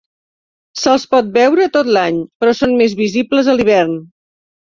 Se'ls pot veure tot l'any, però són més visibles a l'hivern.